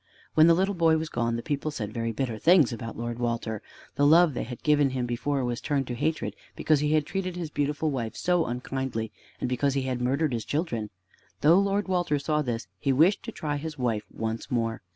When the little boy was gone, the people said very bitter things about Lord Walter. The love they had given him before was turned into hatred because he had treated his beautiful wife so unkindly, and because he had murdered his children. Though Lord Walter saw this, he wished to try his wife once more.